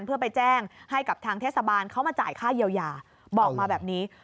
เพื่อไปแจ้งให้กับทางเทศบาลเขามาจ่ายค่าเยียวยาบอกมาแบบนี้